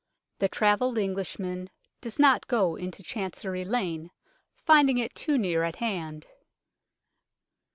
The travelled Englishman does not go into Chancery Lane, finding it too near at hand.